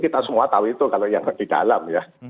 kita semua tahu itu kalau yang lagi dalam